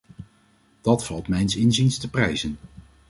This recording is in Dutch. Dat valt mijns inziens te prijzen.